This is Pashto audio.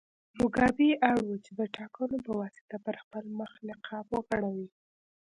موګابي اړ و چې د ټاکنو په واسطه پر خپل مخ نقاب وغوړوي.